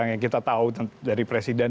yang kita tahu dari presiden